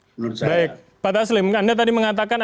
pak taslim anda tadi mengatakan ada pertemuan yang terjadi di jokowi